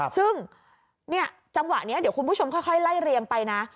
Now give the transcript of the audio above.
ซึ่งจังหวะนี้เดี๋ยวคุณผู้ชมค่อยไล่เรียงไปนะ